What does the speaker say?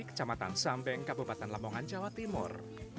kecamatan sambeng kabupaten lamongan jawa timur